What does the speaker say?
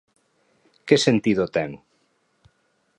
Que sentido ten?